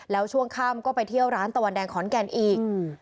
แล้วช่วงค่ำก็ไปเที่ยวร้านตะวันแดงขอนแก่นอีก